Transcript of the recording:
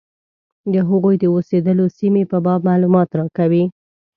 د هغوی د اوسېدلو سیمې په باب معلومات راکوي.